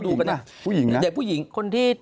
เด็กผู้หญิงนะ